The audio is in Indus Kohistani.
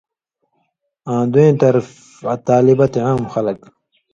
آں دُوئیں طرف طالبہ تے عام خلق